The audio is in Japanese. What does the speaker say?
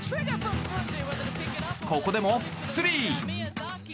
ここでもスリー。